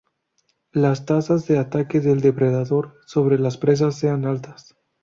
Las tasas de ataque del depredador sobre las presas sean altas.